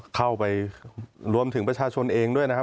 เข้าไปรวมถึงประชาชนเองด้วยนะครับ